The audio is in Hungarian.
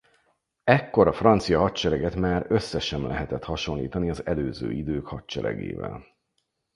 Ekkor a francia hadsereget már össze sem lehetett hasonlítani az előző idők hadseregével.